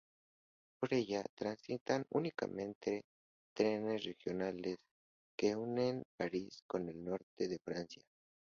Por ella transitan únicamente trenes regionales que unen París con el norte de Francia.